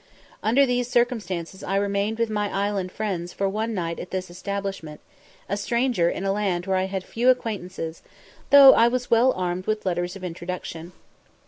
Under these circumstances I remained with my island friends for one night at this establishment, a stranger in a land where I had few acquaintances, though I was well armed with letters of introduction.